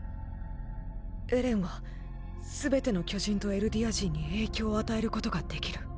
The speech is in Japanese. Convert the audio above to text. エレンはすべての巨人とエルディア人に影響を与えることができる。